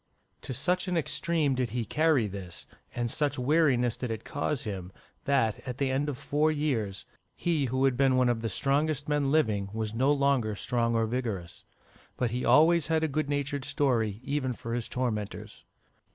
To such an extreme did he carry this, and such weariness did it cause him, that, at the end of four years, he who had been one of the strongest men living, was no longer strong or vigorous. But he always had a good natured story, even for his tormentors.